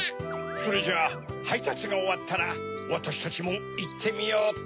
それじゃあはいたつがおわったらわたしたちもいってみようか？